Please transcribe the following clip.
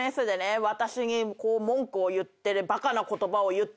私に文句を言ってるバカな言葉を言ってくるけど